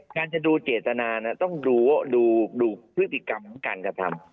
การจะดูเจตนาต้องดูพฤติกรรมของการกระทำ